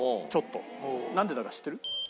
なんでだか知ってる？